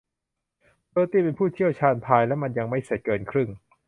เบอร์ตี้เป็นผู้เชี่ยวชาญพายและมันยังไม่เสร็จเกินครึ่ง